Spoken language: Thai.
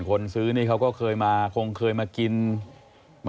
ก็คือให้ขนของไปให้หมดภายในวันที่๑๕